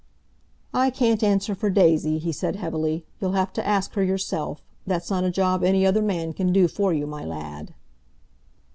"I can't answer for Daisy," he said heavily. "You'll have to ask her yourself—that's not a job any other man can do for you, my lad."